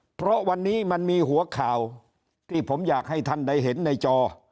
เพราะวันนี้มันมีหัวข่าวที่ผมอยากให้ท่านได้เห็นในจอ